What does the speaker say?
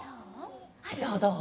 どうどう？